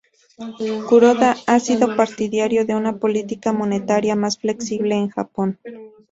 Kuroda ha sido partidario de una política monetaria más flexible en Japón.